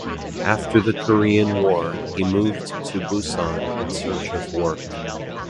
After the Korean War, he moved to Busan in search of work.